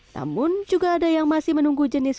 namun juga ada yang masih menunggu jenis